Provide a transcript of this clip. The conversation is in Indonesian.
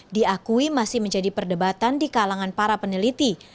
diakui masih menjadi perdebatan di kalangan para peneliti